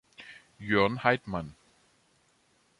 Jörn Heitmann